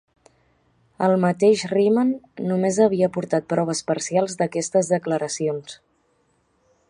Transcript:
El mateix Riemann només havia aportat proves parcials d'aquestes declaracions.